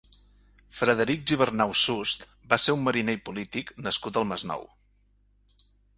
Frederic Gibernau Sust va ser un mariner i polític nascut al Masnou.